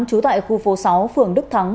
chú tại khu phố sáu phường đức thắng